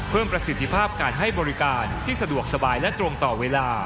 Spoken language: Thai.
ประสิทธิภาพการให้บริการที่สะดวกสบายและตรงต่อเวลา